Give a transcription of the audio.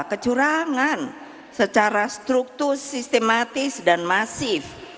kecurangan secara struktur sistematis dan masif